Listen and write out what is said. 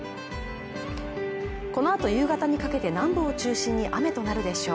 このあと夕方にかけて南部を中心に雨となるでしょう